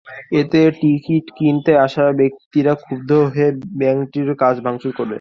এতে টিকিট কিনতে আসা ব্যক্তিরা ক্ষুব্ধ হয়ে ব্যাংকটির কাচ ভাঙচুর করেন।